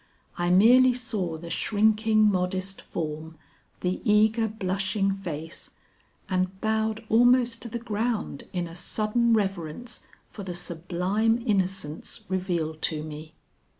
I merely saw the shrinking modest form, the eager blushing face, and bowed almost to the ground in a sudden reverence for the sublime innocence revealed to me.